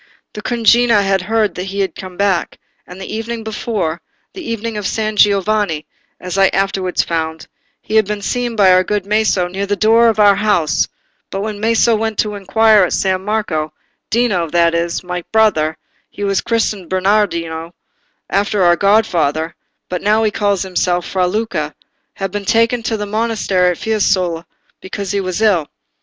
"The cugina had heard that he was come back, and the evening before—the evening of San Giovanni—as I afterwards found, he had been seen by our good Maso near the door of our house; but when Maso went to inquire at San Marco, Dino, that is, my brother—he was christened Bernardino, after our godfather, but now he calls himself Fra Luca—had been taken to the monastery at Fiesole, because he was ill.